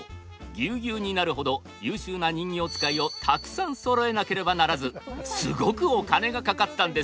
ギュウギュウになるほど優秀な人形遣いをたくさんそろえなければならずすごくお金がかかったんです。